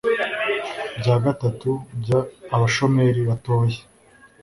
bya gatatu by abashoramari batoye